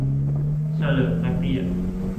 'เฉลิมพระเกียรติ'